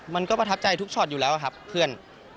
มันก็ประทับใจทุกช็อตอยู่แล้วครับเพื่อน